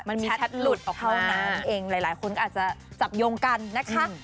มันมีแชทหลุดออกเท่านั้นเองหลายคนก็อาจจะจับโยงกันนะคะ